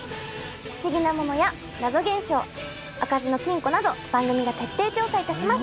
不思議なものや謎現象開かずの金庫など番組が徹底調査いたします。